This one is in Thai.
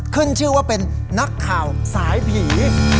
ขึ้นชื่อว่าเป็นนักข่าวสายผี